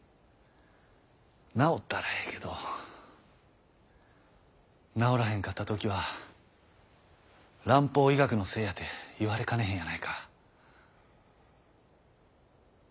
治ったらええけど治らへんかった時は蘭方医学のせいやて言われかねへんやないか。